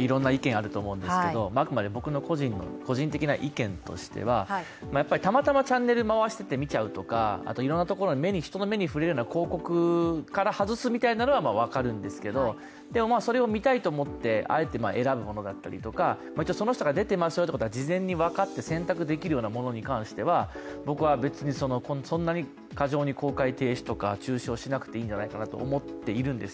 いろんな意見あると思うんですけど、あくまで僕の個人的な意見としてはたまたまチャンネル回してて見ちゃうとか、いろんなところの人の目に触れるような広告から外すのは分かるんですけど、それを見たいと思ってあえて選ぶものだったりとか、その人が出てますよということが事前に分かって選択できるものに関しては僕は別に、そんなに過剰に公開停止とか中止をしなくていいと思っているんです。